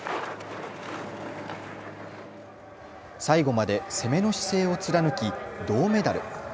最後まで攻めの姿勢を貫き銅メダル。